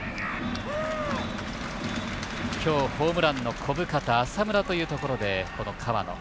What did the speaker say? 今日、ホームランの小深田浅村というところで、河野。